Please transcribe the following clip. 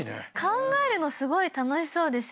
考えるのすごい楽しそうですよね。